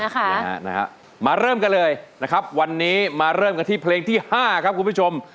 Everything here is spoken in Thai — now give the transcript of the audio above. นะฮะมาเริ่มกันเลยนะครับวันนี้มาเริ่มกันที่เพลงที่๕ครับคุณผู้ชม